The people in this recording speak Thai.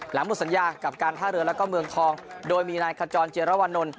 หมดสัญญากับการท่าเรือแล้วก็เมืองทองโดยมีนายขจรเจรวานนท์